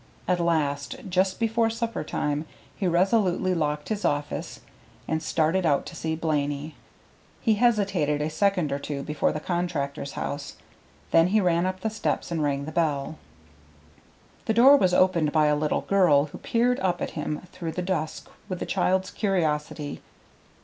At last, just before supper time, he resolutely locked his office, and started out to see Blaney. He hesitated a second or two before the contractor's house; then he ran up the steps and rang the bell. The door was opened by a little girl, who peered up at him through the dusk with a child's curiosity.